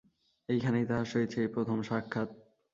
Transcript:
এইখানেই তাহার সহিত সেই প্রথম সাক্ষাৎ।